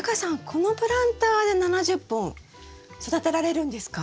このプランターで７０本育てられるんですか？